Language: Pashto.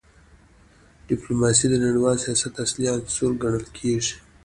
ډیپلوماسي د نړیوال سیاست اصلي عنصر ګڼل کېږي.